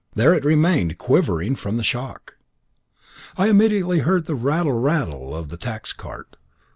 There it remained, quivering from the shock. Immediately I heard the rattle rattle rattle of the tax cart.